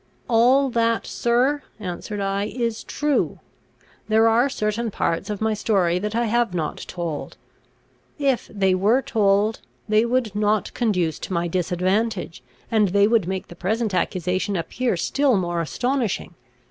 "All that, sir," answered I, "is true. There are certain parts of my story that I have not told. If they were told, they would not conduce to my disadvantage, and they would make the present accusation appear still more astonishing.